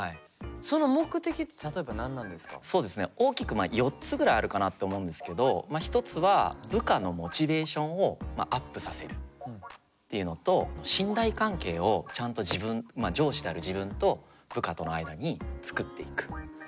大きくまあ４つぐらいあるかなと思うんですけど一つは部下のモチベーションをアップさせるっていうのと信頼関係をちゃんと自分上司である自分と部下との間に作っていく。